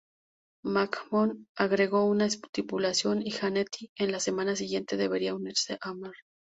McMahon agregó una estipulación, y Jannetty en la semana siguiente debería unirse a Mr.